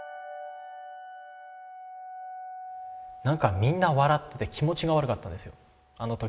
何かみんな笑ってて気持ちが悪かったんですよ。